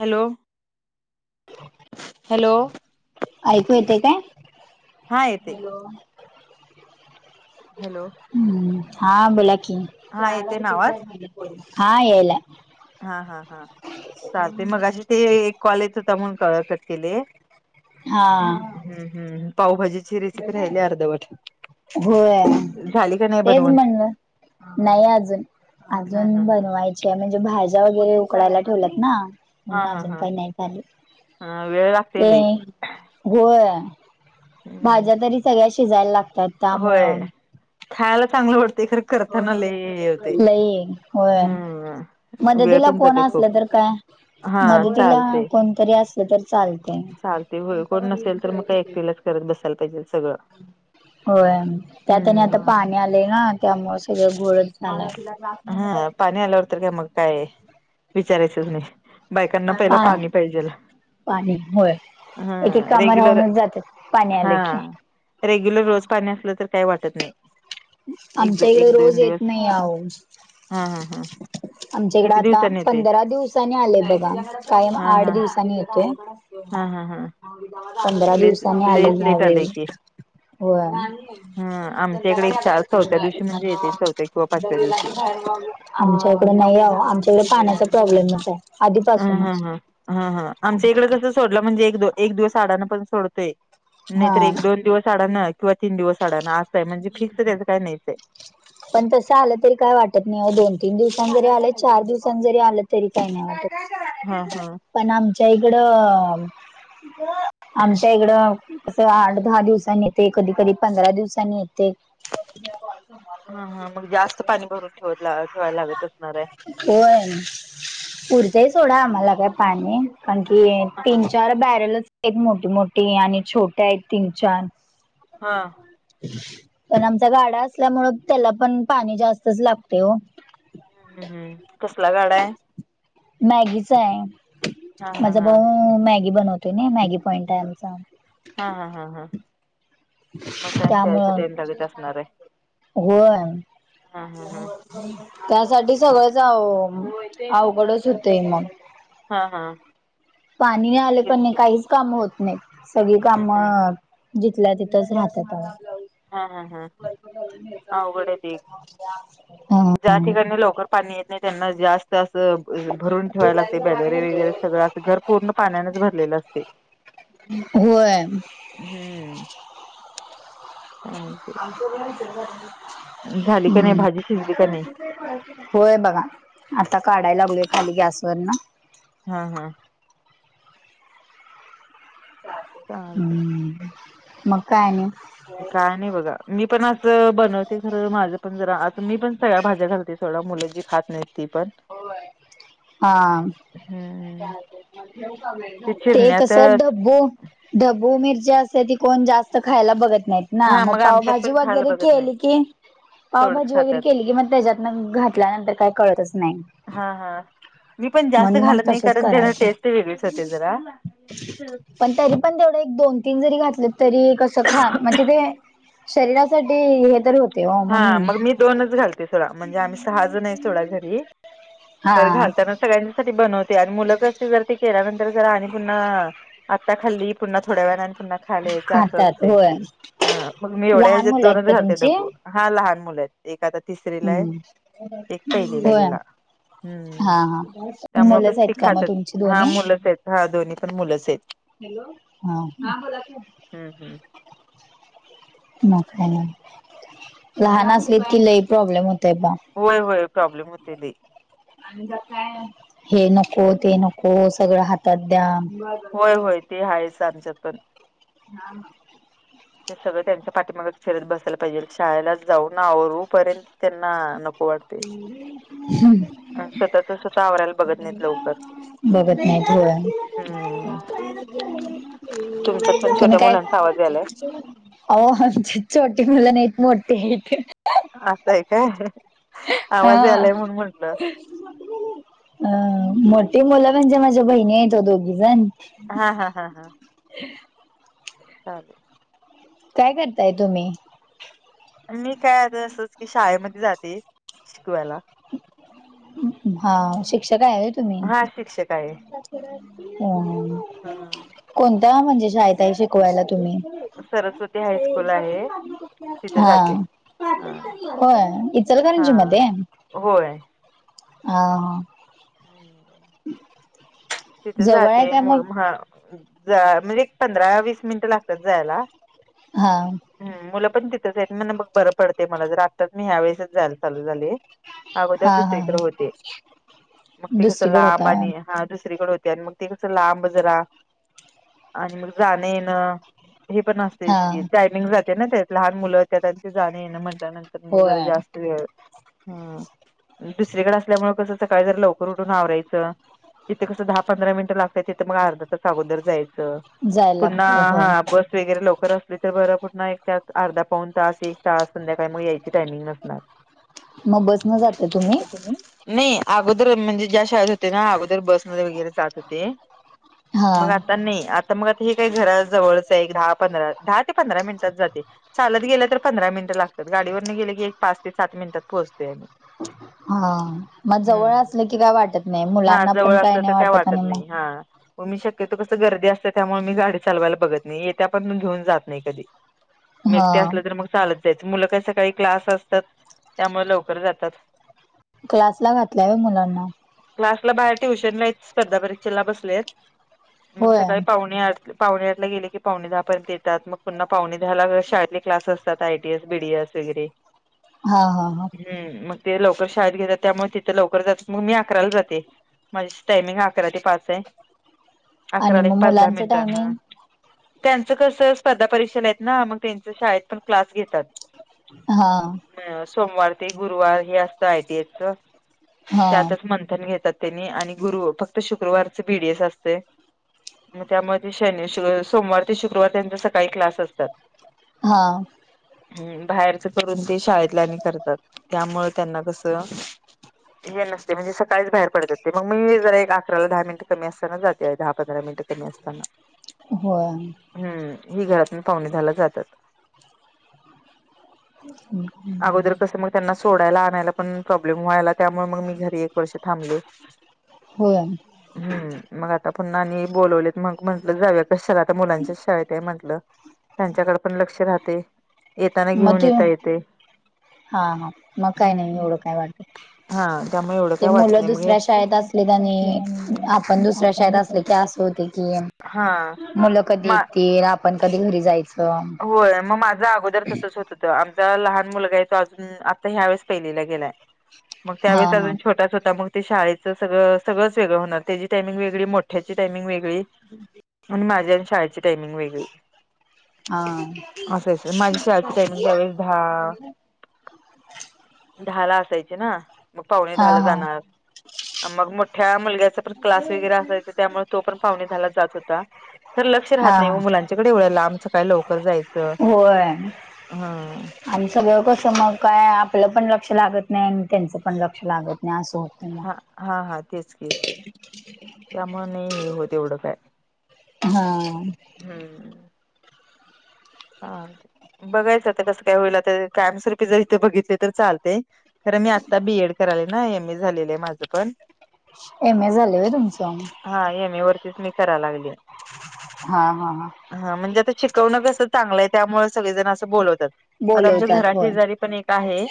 Hello hello ऐकू येते काय हा येते हॅलो हॅलो हम्म हा बोला की हा येते ना आवाज हा याला हा हा हा चालते मग अे ते एक कॉलेज होता म्हणून क कट केले हा हम्म हम् पावभाजीची रेसिपी राहिली अर्ध वाट होय झाली का नाही तेच म्हणलं नाही अजून हा हा अजून हा बनवायच अछ म्हणजे भाज्या वगैरे उकडायला ठेवल्यात ना हा म्हण हा अजून हा काही नाही आले हा वेळ लागते ते लई हो हम्म भाज्या तरी सगळ्या शिजायला लागतात होय त्यामुळं खायला चांगलं बेहडतंय खर करतानाले होते लई होय हम् वेळ मदतीला पण कोण जाते खूप असलं तर काय हा मदतीला चालते कोणतरी असलं तर चालतंय चालते होय कोण नसेल तर मग का एकटीलाच करत बसायला पाहिजे सगळं. होय. त्यात आणि आता हम्म पाणी आलेय ना त्यामुळे सगळं घोळ झालं. हा पाणी आल्यावरत का मग काय विचारायचंच नाही बायकांना पहिला पा पाणी पाहिजे. पाणी होय एके काम रेग्युलर राहूनच जातात पाणी हा आलं की रेग्युलर रोज पाणी असलं तर काही वाटत नाही. एक दो आमच्या इकडे एक दोन रोज दिवस येत नाही आहो. हा हां हां. आमच्या इकडें आता पंधरा दिवसानी आलेय बघा कायम हा आठ हा दिवसानी येतोय. हा हा हा. पंधरा लेस दिवसानी लेस आलेली ह लेट वेळ आलंय की हो. हा आमच्या इकडे एक चार चौथ्या दिवशी म्हणजे येते चौथ्या किंवा पाचव्या री लाग दिवशी बाहेर मग आमच्याकडे नाही आ आमच्याकडे पाण्याचा प्रॉब्लेमच आहे. ह ह आधीपासूनच. ह ह ह आमच्या इकडें कसं? सोडला म्हणजे एक एक दिवस अडां पण सोडतोय नाहीर हा एक दोन दिवस अडाणं. किंवा तीन दिवस अडा ना असं आहे म्हणजे फिक्स त्याचं काय नाहीच आहे. पण तसं आलं तरी काय वाटत नाही दोन तीन दिवसां जरी आलं चार दिवसां जरी आलं तरी काही नाही वाटत. हा हा. पण आमच्या इकडं आमच्या इकडं क आठ दहा दिवसांनी येते कधी कधी पंधरा दिवसांनी येते. ते हा हा मग जास्त पाणी भरून ठेवत ठेवायला लागत असणार आहे. होय पुरतय सोडा आम्हाला काय पाणी कारण की हा हा तीन चार बॅरलच आहेत मोठी मोठी आणि छोटे आहेत तीन चार हां. पण आमचा गाडा असल्यामुळे त्याला पण पाणी जास्तच लागते हो. ह हम् हम् कसला गाडा आहे. मॅगीच आहे हा हा माझा हा भाऊ मॅगी बनवतोय ना मॅगी पॉइंट आहे आमचा हा हा हा हा. मग काय त्यामुळं त्यासाठी आणि लागत असणार आहे होय. हा हा त्यासाठी हा सगळंच अवकडच होतेय मग हा हा. पाणी आले तेच पण की काहीच काम होत नाही सगळी हम्म हम्म कामं. जिितल्या तिथंच राहतात. हा हा हा अवघड आहे ते हा. ज्या ठिकाणी लवकर पाणी येत नाही त्यांना जास्त असं. भरून ठेवायला लागते बॅलेरे वगैरे सगळं असं घर पूर्ण पाण्यानेच भरलेलं असते. होय. हम्म. ह ते जोग जरर आहे. झाली का नाही भाजी शिजली का नाही. होय बघा आता काढायला लागलोय खाली गॅसवरर ना. हा हा. चालते. हम्म मग काय नाही. काय नाही बघा मी पण असं बनवते खरं माझं पण जरा असं मी पण सगळ्या भाज्या घालते. थोडा मुलाची खात नाही ती पण हा. हम्म. ते कस डब्बू ढबू मिरची असते ती कोण जास्त खायला बघत नाहीत ना हा मग आमच्यात पावभाजी पण खायला वगैरे के बघत नाही केली की तेवढंच पावभाजी वगैरे खातात केली की मग त्याच्यातन घातल्यानंतर काय कळतचत हा हा मी पण जास्त म्हणून मग घालत नाही तसच कारण त्याना करायचं. टेस्ट वेगळीच होते जरा हम् पण तरी पण तेवढं एक दोन तीन जरी घातलं तरी कसं खा म्हणजे ते शरीरासाठी हे तरी होत हा मग मी दोनच घालते सोडा म्हणजे आम्ही सहाजण आहे सोडा घरी घर हा घालतानाच सगळसाठी बनते मु ज के पु आता खाली पु थोड्या व पुना खालेच अस खातात असते होय. ह मग मी एवढ्या लहान हच्यात मुलं आहेत दोनच का घालते तुमची? डबू हा लहान मुलं आहेत एक आता तिसरीला आहे हम्म. एक पहिलीला होय गेला हम्म हा हा त्यामु कस मुलंच आहेत त का मग खातात तुमची हा दोन्ही? मुलंच आहेत हा दोन्ही पण मुलंच आहेत हॅलो का बोला य हम्म हम्म हा लहना क किल्लाही प्रॉब्लेम होत आहे बाबा होय होय प्रॉब्लेम होते दे हे नको ते नको सगळं हातात द्या होय होय ते आहेच आमच्यातण हा ते सगळं त्यांच्या पाठीमाग्या शषरत बसायला पाहिजे शाळेलाच जाऊ ना आवरूपर्यंत त्यांना नोपवात अ स्वतःच स्वतः आवरायला बघत नाहीत लवकर बघत नाहीत हम्म तुमच्यात पण तुम्ही छोट्या काय मुलांचा आवाज यालाय अह आमची छोटे मुलं नाहीत मोठीे आहेत असतांय काय हा आवाज यालाय म्हणून म्हंटलं अ मोठी मुलं म्हणजे माझ्या बहिणी आहेतेतो दोघी जण हा हा हा हा चालेल काय करताय तुम्ही मी काय आ असंच की शाळेमध्ये जाते शिकवायला हा शिक्षक आहे आहे तुम्ही हा शिक्षक आहे ह कोणता म्हणजे शाळेतई शिकवायला तुम्ही सरस्वती हायस्कूल आहे तिथे हा जाते ह होय इचल हा काुची मते होय ह हम् तिथे जवळ आहे जाते काय मु मग म्हणजे एक पंधरा वीस मिनिट लागतात जायला हा हम मुलं पण तिथंच आहेत म्ह बग बरं पडते मला जर आत्ताच मी ह्या वेसच जायला चालू झाली हा अगोदरच हा हा स्वीक्र होते मग ते कस दुसरीकडे होता लांब आणि होय हा दुरीकडे होते आणि मग ते कसं लांब जरा आणि मग राणेनं हे पण असत हा टायमिंग जाते ना त्या लहान मुलं त्यांचे जाणे ना म्हणंत मग जर होय जास्ती व हम दुसरीकडे असल्यामुळे कस सकाळी जर लवकर उठून आवरायचं जिथे कसं दहा पंधरा मिनटं लागतय तिथं मग अर्धाच अगोदर जायचं जायला पुन्हा लागत हा होय बस वगैरे लवकर असली तर बरं पुन्हा एक त्या अर्धा पाऊन तास एक तास संध्याकाळी मग यायची टायमिंग नसणार मग बसन जाताय तुम्ही नाही अगोदर म्हणजे ज्या शाळेत होते ना अगोदर बस ध्ये वगैरे जात होते मग हा आता नाही. आता मग आता हे काही घरा जवळच आहे एक दहा पंधरा. दहा ते पंधरा मिनिटात जाते चालत गेले तर पंधरा मिनिट लागते तर गाडीवर गेले की एक पाच ते सात मिनटात पोहचते आमही हा मग जवळ असलं की काय वाटत नाही मुलांना पण काय नाही त्या आणि वाटत मग नाही हा हो मी शक्यतो कसं गर्दी असतें त्यामुळे मी गाडी चालवायला बघत नाही येत्या पण मी घेऊन जात नाही कधी म हा एकटे असल्या तर मग चालत जायचं मुलं काही सकाळी क्लास असतात त्यामुळे लवकर जातात क्लासला घातल्या आहे मुलांना क्लासला बाहेर ट्युशन याय स्पर्धा परीक्षेला बसलेत मग होय सकाळी पावणे आठ पावणे आठ ला गेले की पावणे दहा पर्यंत येतात मग पुन्हा पावणे दहाला शाेतले क्लास असतात आयटीएस बीडीएस वगैरे हा हा हा ह् मग ते लवकर शाळेत घेतात त्यामुळे तिथं लवकर जातात मग मी अकराला जाते. माझी टायमिंग अकरा ते पाच आहे अकरा आणि ते मग पाच दहा मुलांचं मिनिटां टायमिंग त्यांचं कसं स्पर्धा परीक्षा आहेत ना मग त्यांच शाळेत पण क्लास घेतात. हा अ सोमवार ते गुरुवार हे असत आहे ते याच हा त्यातच मंथन घेतात. आणि गुरु फक्त शुक्रवारच पीडीएस असते. मग त्यामध्ये शन सोमवार ते शुक्रवार त्यांचा सकाळी क्लास असतात. हा हम् बाहेरच करून ते शाळेतल्या करतात त्यामुळ त्यांना कसं. हे नसते म्हणजे सकाळीच बाहेरड‌ ते मग मी जरा एक अकराला दहा मिनिट कमी असताना जाते दहा पंधरा मिनिटं कमी असताना. हो हम्म ही घरातून पाहुणे झाला जातात अगोदर कसं त्यांना सोडायला आणायला पण प्रॉब्लेम व्हायला त्यामुळे मग मी घरी एक वर्ष थांबले! होक् हम् मग आता पुन्हा आणि बोलवलेत मग म्हटलं जाऊ कशाला आता मुलांच्याच शाळयेत म्हटलं? त्यांच्याकडे पण लक्ष राहते येताना मग घेऊन ते येता येते. हा हा मग काय नाही हम्म एवढं काय वाटत् हा त्यामुळे एवढं काय वाटत नाही मग! असलेत आणि आपण दुसऱ्या आप शाळेत असले की असं होते हा ये आपण कधी घरी जायचं! होय मग माझं अगोदर तसंच होत होतं आमचा लहान मुलगा आहे तो अजून आता ह्या वेळेस पहिलेला गेलाय. मग हा त्यावेळेस हा अजून छोटा होता मग ते शाळेत सगळं सगळच वेगळं होणार त्याची टाइमिंग वेगळी मोठ्याची टायमिंग वेगळी. ह आणिण माझ्या आणि शाळेची टाइमिंग वेगळी. हा असंच माझी शाची टाइमिंग त्यावेेळेस दहा. दहा ला असायचे ना मग पावुणे हा दहा ला हा जाणार. मग मोठ्या मुलग्याचा पण क्लास वगैरे असायचा त्यामुळे तो पण पाहुणे झाला जात होता. तर लक्ष हा राहत नाही व हा मुलांच्या कडे एवढ्या लांब काय लवकर जायचं होय ह आणि सगळं कसं मग काय आपलं पण लक्ष लागत नाही आणि त्यांचं पण लक्ष लागत नाही असं होतय मग. हा हा हा तेच की त्यामुळे नाही हे होत एवढं काय. हा हम्म. हा बघायचं ते कसं काय होईल तर कायमस्वरूपी जर इथे बघितले तर चालतेय. खरं मी आत्ता बीएड कराले ना. एम ए झालेलं माझं पण. एम ए झालेय होय तुमचं. हा एम ए वरतीच मी करा लागलीय. हा हा ह. हा, म्हणजे आता शिकवणं कसं चांगलंये. त्यामुळे सगळेजण असं बोलवतात. आता आमच्या बोलवतात घरा होय शेजारी पण एक आहे.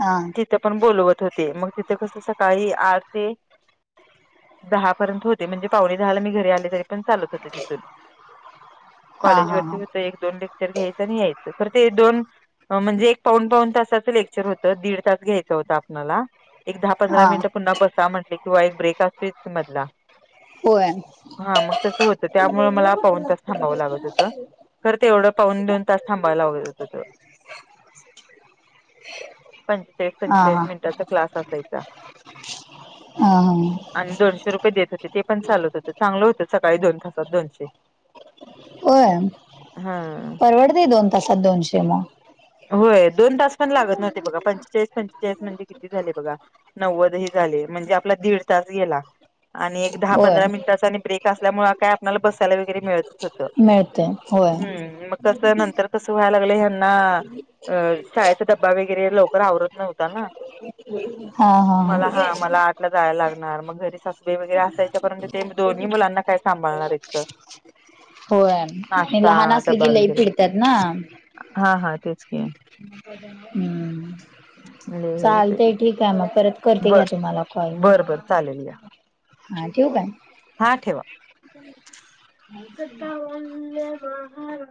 हा ती तीथ पण बोलवत होते. मग तिथे कसं, सकाळी आठ ते‌, दहा पर्यंत होते. म्हणजे पावणे दहाला मी घरी आले तरी पण चालत होते तिथून. हा कॉलेज हा वरती हा होत. एक दोन लेक्चर घ्यायचं आणि यायचं. खर ते दोन म्हणजे एक पाऊन पाऊन तासाचं लेक्चर होतं. दीड तास घ्यायचं होतं आपनाला. एक दहा पंधरा हा मिनिटं पुन्हा बसा म्हटले किं, वा एक ब्रेक असतेच की मधला. होय हा मग तस होतं. त्यामुळे मला. पाऊन तास थांबावं लागत होत. तरर तेवढं पाऊन दोन तास थांबावं लागत होतं. पंचेचाळीस, हा पंचेचाळीस, हा मिनिटाचा क्लास असायचा. हा हा. आणि दोनशे रुपये देत होते ते पण चालत होतं चांगलं होतं सकाळी दोन तासात दोनशे होय. हा. परवडतय दोन तासात दोनशे मग. होय दोन तास पण लागत नव्हते बघा पंचेचाळीस पंचेचाळीस म्हणजे किती झाले बघा. नव्वदही झाले म्हणजे आपला दीड तास गेला. आणि एक दहा होय पंधरा मिनटाचा आणि ब्रेक असल्यामुळे काय आपल्याला बसायला वगैरे मिळत. मिळतय होय. कस नंतर कसं व्हायला लागलंय ह्याना अ शाळेचा ड्बा वगैरे लवकर आवरत नव्हता ना. मला हा मला आप जायला लागणार मग घरी सासूबी वगैरे असायच्यापर्यंत ते दोन्ही मुलांना काय सांभाळणार आहेतग. होय आणि लहान असले डबा की लई वगैरे पिडतात ना. हा हा तेच की हम्म. लय हे होतंय चालतंय ठीक आहे मग परत करते बर घ्या तुम्हाला कॉल. बर बर चालेल घ्या हां ठेऊ काय? हा ठेवा. ब [unintelligible] कतावा बाहार. [unintelligible]